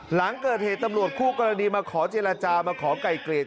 หลังเกิดเหตุตำรวจคู่กรณีมาขอเจรจามาขอไก่เกลียด